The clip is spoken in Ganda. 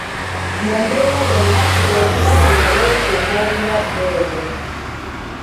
Mu mbeera yonna fuba okulaba nga weekuuma obulwadde obwo.